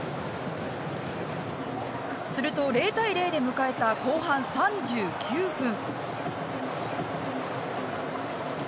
すると０対０で迎えた後半３９分。